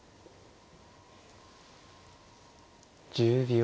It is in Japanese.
１０秒。